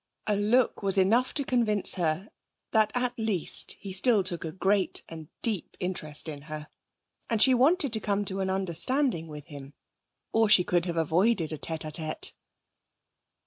A look was enough to convince her that at least he still took a great and deep interest in her. And she wanted to come to an understanding with him, or she could have avoided a tête à tête.